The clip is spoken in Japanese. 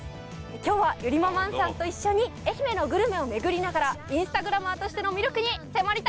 今日はゆりママんさんと一緒に愛媛のグルメを巡りながらインスタグラマーとしての魅力に迫りたいと思います！